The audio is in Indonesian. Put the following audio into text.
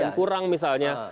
cukup dan kurang misalnya